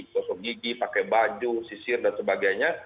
sosok gigi pakai baju sisir dan sebagainya